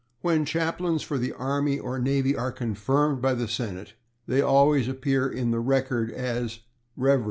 When chaplains for the army or navy are confirmed by the Senate they always appear in the /Record as Revs.